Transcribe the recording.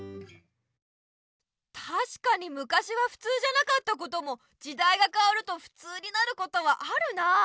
たしかにむかしはふつうじゃなかったこともじだいがかわるとふつうになることはあるなあ。